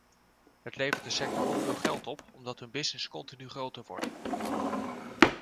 Het levert de sector ook veel geld op, omdat hun business continu groter wordt.